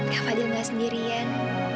kak fadil gak sendirian